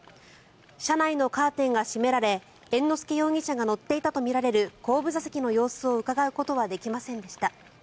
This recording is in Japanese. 車内のカーテンが閉められ猿之助容疑者が乗っていたとみられる後部座席の様子をうかがうことはできませんでした。